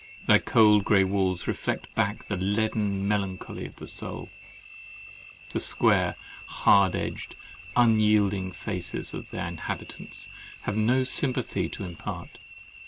Thy cold grey walls reflect back the leaden melancholy of the soul. The square, hard edged, unyielding faces of thy inhabitants have no sympathy to impart.